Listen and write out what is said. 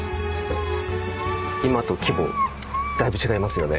今と規模だいぶ違いますよね。